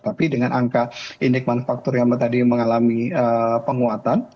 tapi dengan angka indikman faktor yang tadi mengalami penguatan